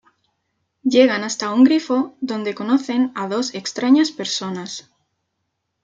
Llegan hasta un grifo donde conocen a dos extrañas personas.